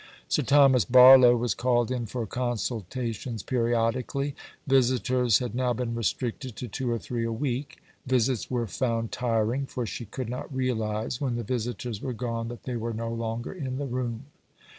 Sir Thomas Barlow was called in for consultations periodically. Visitors had now been restricted to two or three a week. Visits were found tiring, for she could not realize when the visitors were gone that they were no longer in the room.